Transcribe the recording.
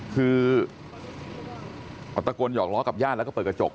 คือตะโกนหยอกล้อกับญาติแล้วก็เปิดกระจก